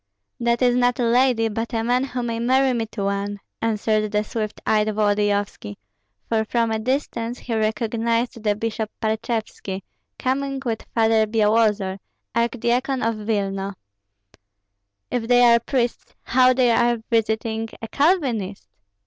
"That is not a lady, but a man who may marry me to one," answered the swift eyed Volodyovski; for from a distance he recognized the bishop Parchevski, coming with Father Byalozor, archdeacon of Vilna. "If they are priests, how are they visiting a Calvinist?"